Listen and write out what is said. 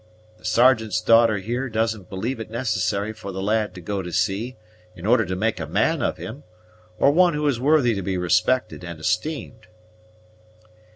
The Sergeant's daughter here doesn't believe it necessary for the lad to go to sea in order to make a man of him, or one who is worthy to be respected and esteemed."